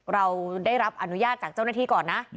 เราได้รับอนุญาตจากเจ้าหน้าที่ก่อนนะ